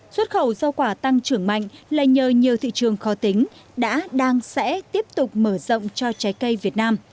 xuất khẩu rau quả tăng trưởng mạnh là nhờ nhiều thị trường khó tính đã đang sẽ tiếp tục mở rộng cho trái cây việt nam